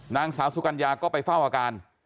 นางสาวสุกัญญาก็ไปเฝ้าอาการ